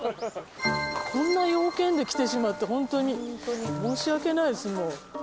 こんな用件で来てしまってホントに申し訳ないですもう。